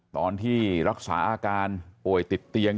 ตอนที่รักษาอาการป่วยติดเตียง